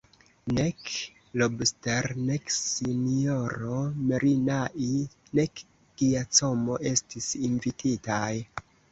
Nek Lobster, nek S-ro Merinai, nek Giacomo estis invititaj.